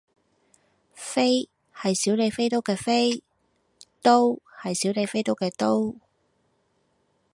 飛係小李飛刀嘅飛，刀係小李飛刀嘅刀